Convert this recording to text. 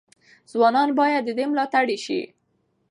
ځوانان باید د ده ملاتړي شي.